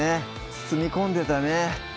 包み込んでたね